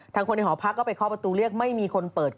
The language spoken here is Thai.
ทางคนในหอพักษ์เขาเข้าไปคอประตูเรียกไม่มีคนเปิด